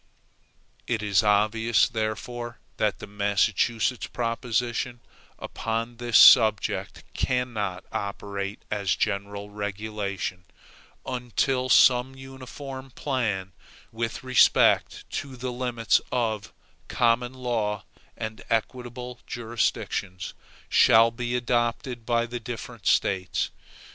It is obvious, therefore, that the Massachusetts proposition, upon this subject cannot operate as a general regulation, until some uniform plan, with respect to the limits of common law and equitable jurisdictions, shall be adopted by the different States.